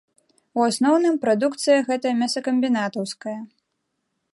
У асноўным, прадукцыя гэта мясакамбінатаўская.